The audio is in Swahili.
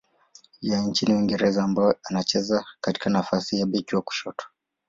ya nchini Uingereza ambaye anacheza katika nafasi ya beki wa kushoto.